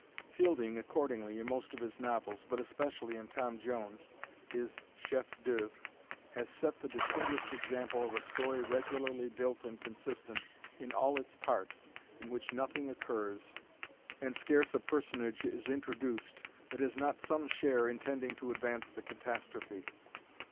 Fielding, accordingly, in most of his novels, but especially in Tom Jones, his chef d'oeuvre, has set the distinguished example of a story regularly built and consistent in all its parts, in which nothing occurs, and scarce a personage is introduced, that has not some share in tending to advance the catastrophe.